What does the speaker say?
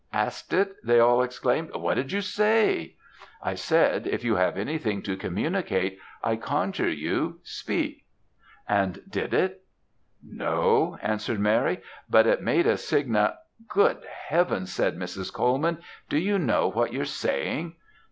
"'Asked it!' they all exclaimed. 'What did you say?' "'I said, if you have anything to communicate, I conjure you speak!' "'And did it.' "'No,' answered Mary, 'but it made a sign ' "'Good Heavens!' said Mrs. Colman, 'do you know what you're saying?'